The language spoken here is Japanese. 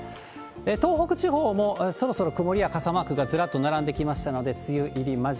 東北地方もそろそろ曇りや傘マークがずらっと並んできましたので、梅雨入り間近。